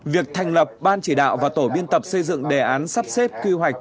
việc thành lập ban chỉ đạo và tổ biên tập xây dựng đề án sắp xếp quy hoạch